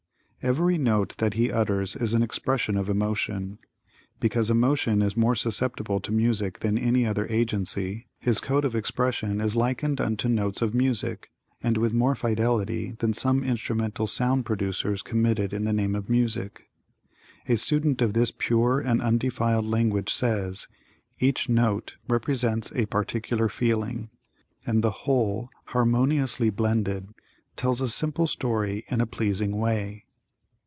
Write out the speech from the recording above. Every note that he utters is an expression of emotion. Because emotion is more susceptible to music than any other agency, his code of expression is likened unto notes of music, and with more fidelity than some instrumental sound producers committed in the name of music. A student of this pure and undefiled language says: "Each note represents a particular feeling, and the whole harmoniously blended, tells a simple story in a pleasing way."